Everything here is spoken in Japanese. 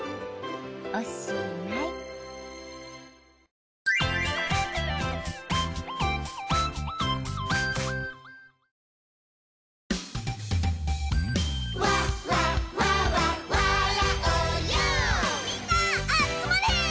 おしまいみんな集まれ！